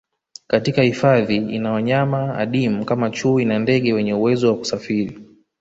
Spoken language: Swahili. Katika hifadhi ina wanyama adimu kama chui na ndege wenye uwezo wa kusafiri